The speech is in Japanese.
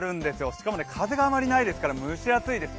しかも風があまりないですから蒸し暑いです。